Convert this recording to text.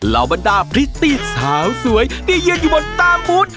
บรรดาพริตตี้สาวสวยที่ยืนอยู่บนตามบูธ